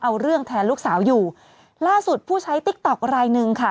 เอาเรื่องแทนลูกสาวอยู่ล่าสุดผู้ใช้ติ๊กต๊อกรายหนึ่งค่ะ